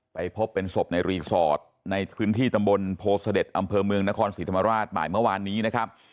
ไปพบเป็นศพในรีสอร์ทในพื้นที่ตำบลโพเสด็จอำเภอเมืองนครศรีธรรมราชบ่ายเมื่อวานนี้นะครับ